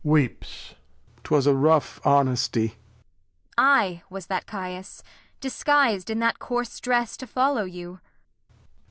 [Weeps. 'Twas a rough Honesty. Kent. I was that Cajus, Disguis'd in that course Dress, to follow you.